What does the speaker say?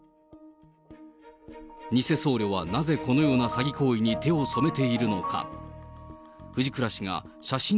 偽僧侶はなぜこのような詐欺行為に手を染めているのか。